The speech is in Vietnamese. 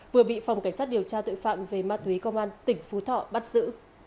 vừa bị phòng cảnh sát điều tra tội phạm về ma túy công an tỉnh phú thọ bắt giữ